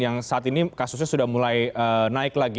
yang saat ini kasusnya sudah mulai naik lagi